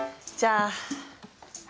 じゃあ。